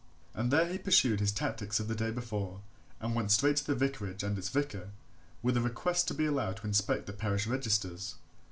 And there he pursued his tactics of the day before and went straight to the vicarage and its vicar, with a request to be allowed to inspect the parish registers.